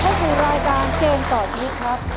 ขอให้คุณรายการเชนต่อไปนี้ครับ